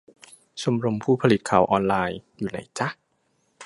ชมรมผู้ผลิตข่าวออนไลน์ อยู่ไหนจ๊ะ ?